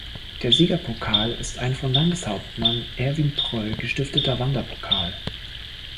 Der Siegerpokal ist ein von Landeshauptmann Erwin Pröll gestifteter Wanderpokal.